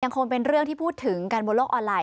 คงเป็นเรื่องที่พูดถึงกันบนโลกออนไลน